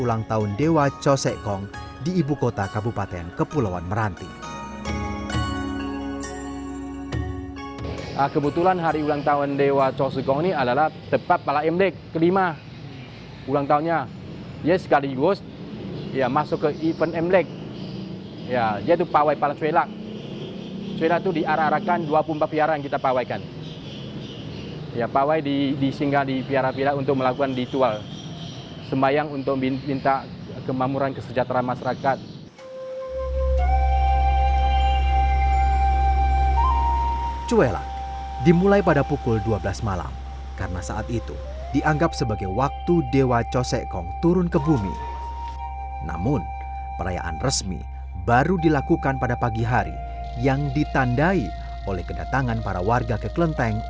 akan menang treatmentsnya jarak tinggi ya developing trial